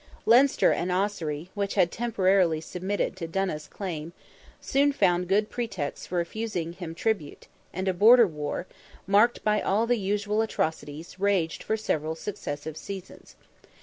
Leinster and Ossory, which had temporarily submitted to Donogh's claim, soon found good pretexts for refusing him tribute, and a border war, marked by all the usual atrocities, raged for several successive seasons.